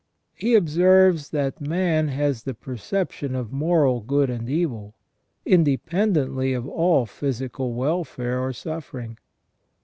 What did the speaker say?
He observes that man has the perception of moral good and evil, independently of all physical welfare or suffering.